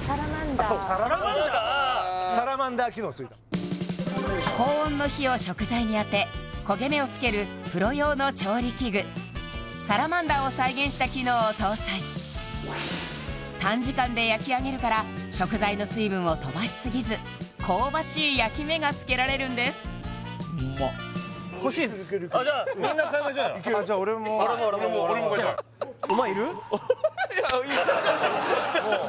あっそうサラマンダー高温の火を食材に当て焦げ目をつけるプロ用の調理器具サラマンダーを再現した機能を搭載短時間で焼き上げるから食材の水分を飛ばしすぎず香ばしい焼き目がつけられるんですうまっじゃあみんな買いましょうよじゃあ俺も俺も俺も俺も買いたいいやいいんすか？